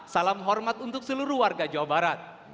salam hormat untuk seluruh warga jawa barat